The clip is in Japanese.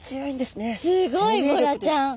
すごいボラちゃん。